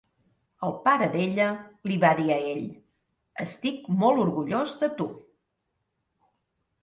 El pare d'ella li va dir a ell: "Estic molt orgullós de tu!"